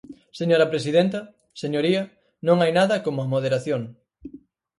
Señora presidenta, señoría, non hai nada como a moderación.